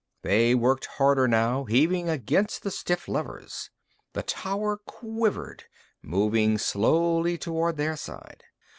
They worked harder now, heaving against the stiff levers. The tower quivered, moved slowly toward their side.